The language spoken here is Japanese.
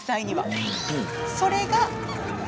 それが。